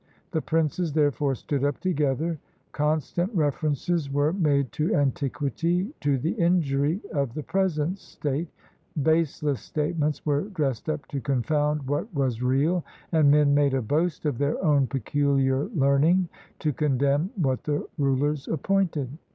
The princes, therefore, stood up together; constant references were made to antiquity to the injury of the present state; baseless statements were dressed up to confound what was real, and men made a boast of their own peculiar learning to condemn what the rulers appointed.